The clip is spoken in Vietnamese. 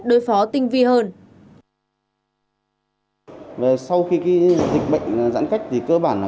đấy là thứ thực là